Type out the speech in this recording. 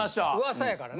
噂やからね。